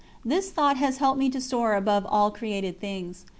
This thought has helped me to soar above all created things.